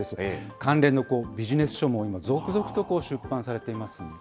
関連のビジネス書も今、続々と出版されています。